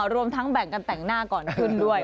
รวมทั้งแบ่งกันแต่งหน้าก่อนขึ้นด้วย